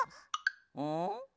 うん？